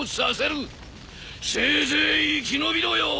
せいぜい生き延びろよ。